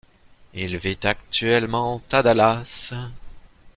Il vit actuellement à Dallas.